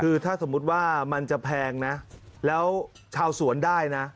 คือถ้าสมมุติว่ามันจะแพงนะแล้วชาวสวนได้นะ